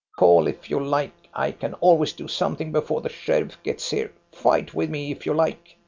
" Call if you like. I can always do something before the sheriff gets here. Fight with me, if you like.